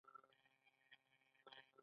دا د دفتر په اړونده فایل کې ساتل کیږي.